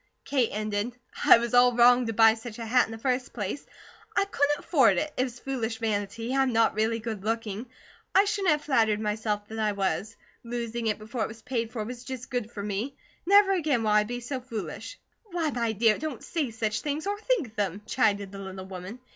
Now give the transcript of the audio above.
Kate ended: "I was all wrong to buy such a hat in the first place. I couldn't afford it; it was foolish vanity. I'm not really good looking; I shouldn't have flattered myself that I was. Losing it before it was paid for was just good for me. Never again will I be so foolish." "Why, my dear, don't say such things or think them," chided the little woman.